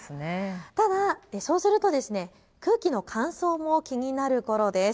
ただ、そうすると空気の乾燥も気になるころです。